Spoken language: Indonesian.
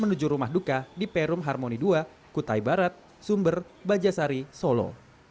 menuju rumah duka di perum harmoni dua kutai barat sumber bajasari solo